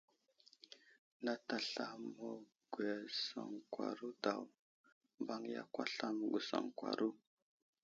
Nat aslam məgwəsaŋkwaro daw, mbaŋ yakw aslam məgwəsaŋkwaro.